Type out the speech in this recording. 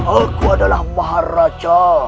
aku adalah maharaja